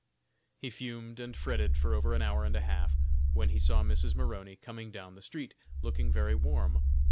He fumed and fretted for over an hour and a half, when he saw Mrs. Maroney coming down the street, looking very warm.